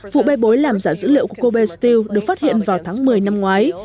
vụ bê bối làm giả dữ liệu của kobe steel được phát hiện vào tháng một mươi năm ngoái